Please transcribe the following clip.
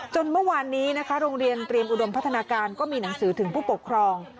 เมื่อวานนี้นะคะโรงเรียนเตรียมอุดมพัฒนาการก็มีหนังสือถึงผู้ปกครอง